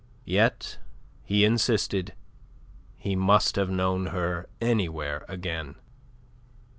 Yet, he insisted, he must have known her anywhere again.